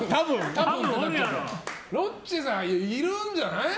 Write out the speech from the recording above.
ロッチさん、いるんじゃない？